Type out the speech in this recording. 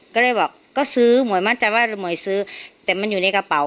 ก็เลยบอกก็ซื้อหวยมั่นใจว่าหมวยซื้อแต่มันอยู่ในกระเป๋า